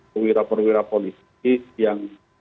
kewira perwira politik yang